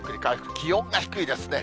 気温が低いですね。